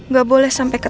kamu minum dulu ya